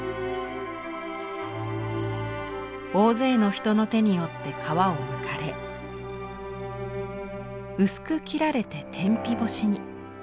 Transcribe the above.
大勢の人の手によって皮をむかれ薄く切られて天日干しに。